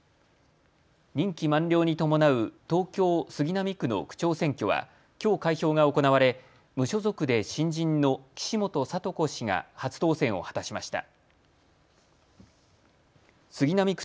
任期満了に伴う東京杉並区の区長選挙はきょう開票が行われ無所属で新人の岸本聡子氏が初当選を果たしました。